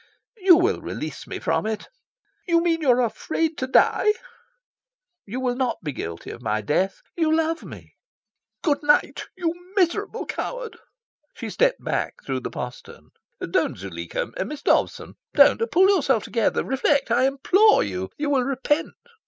"You will release me from it." "You mean you are afraid to die?" "You will not be guilty of my death. You love me." "Good night, you miserable coward." She stepped back through the postern. "Don't, Zuleika! Miss Dobson, don't! Pull yourself together! Reflect! I implore you... You will repent..."